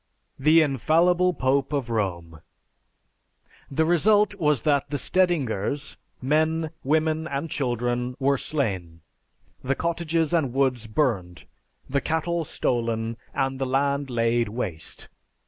The infallible pope of Rome! The result was that the Stedingers, men, women, and children, were slain, the cottages and woods burned, the cattle stolen and the land laid waste.